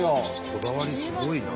こだわりすごいな。